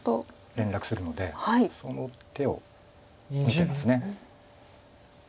連絡するのでその手を見てます。